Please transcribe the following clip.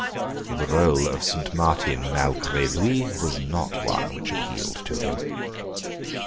The rôle of Saint Martin malgré lui was not one which appealed to him.